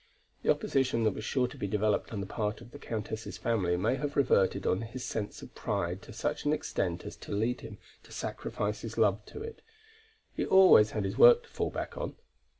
The opposition that was sure to be developed on the part of the Countess's family may have reverted on his sense of pride to such an extent as to lead him to sacrifice his love to it. He always had his work to fall back on.